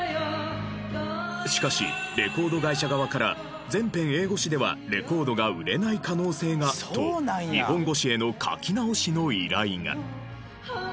しかしレコード会社側から「全編英語詞ではレコードが売れない可能性が」と日本語詞への書き直しの依頼が。